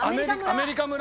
アメリカ村？